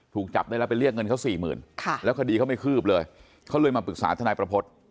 ถูกจับได้แล้วไปเรียกเงินเขาสี่หมื่นแล้วคดีเขาไม่คืบเลยเขาเลยมาปรึกษาทนายประพฤติ